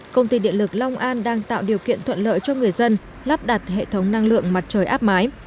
công ty điện lực long an đang tạo điều kiện thuận lợi cho người dân lắp đặt hệ thống năng lượng mặt trời áp mái